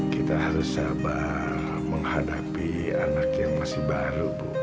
kita harus sabar menghadapi anak yang masih baru